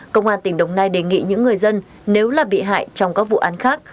công an tỉnh đồng nai đề nghị những người dân nếu là bị hại trong các vụ án khác